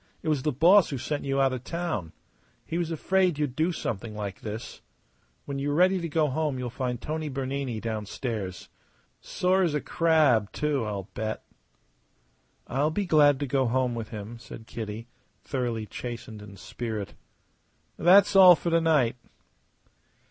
It was the boss who sent you out of town. He was afraid you'd do something like this. When you are ready to go home you'll find Tony Bernini downstairs. Sore as a crab, too, I'll bet." "I'll be glad to go home with him," said Kitty, thoroughly chastened in spirit. "That's all for to night."